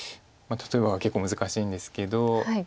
「例えば」が結構難しいんですけど。